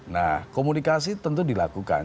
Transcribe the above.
nah komunikasi tentu dilakukan